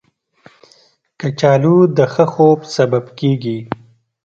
کچالو د ښه خوب سبب کېږي